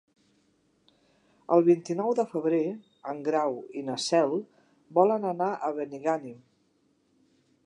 El vint-i-nou de febrer en Grau i na Cel volen anar a Benigànim.